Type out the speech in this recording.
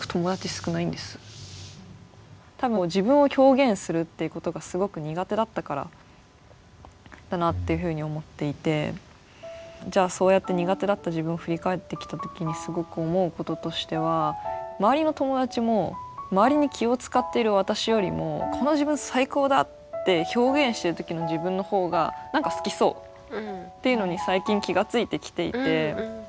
多分自分を表現するっていうことがすごく苦手だったからだなっていうふうに思っていてじゃあそうやって苦手だった自分を振り返ってきた時にすごく思うこととしては周りの友達も周りに気を遣っている私よりもこの自分最高だって表現してる時の自分の方が何か好きそうっていうのに最近気が付いてきていて。